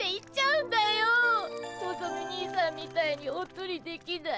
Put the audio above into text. のぞみ兄さんみたいにおっとりできない。